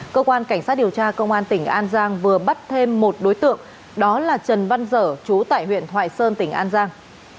cơ quan cảnh sát điều tra công an tỉnh an giang vừa bắt thêm một đối tượng đó là trần văn dở chú tại huyện thoại sơn tỉnh an giang